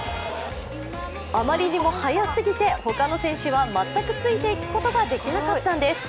あまりにも早過ぎて他の選手は全くついていくことができなかったんです。